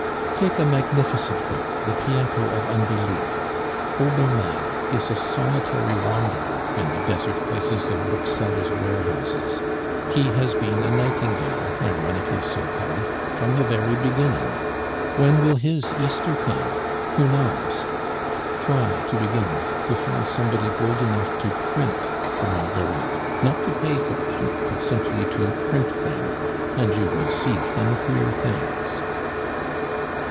Take a magnificent book, the pianto of unbelief; Obermann is a solitary wanderer in the desert places of booksellers' warehouses, he has been a 'nightingale,' ironically so called, from the very beginning: when will his Easter come? Who knows? Try, to begin with, to find somebody bold enough to print the Marguerites; not to pay for them, but simply to print them; and you will see some queer things."